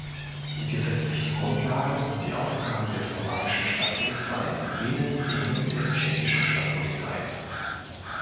Die gesetzlichen Grundlagen und die Aufgaben der slowakischen Stadtpolizei ähneln denen der tschechischen Stadtpolizei.